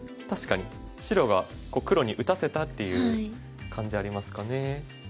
確かに白が黒に打たせたっていう感じありますかね。